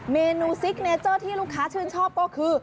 เมนูซิกเนเจอร์ที่ลูกค้าชื่นชอบก็คือ